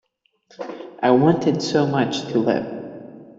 I wanted so much to live.